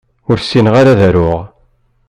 Ur ssineɣ ara ad aruɣ.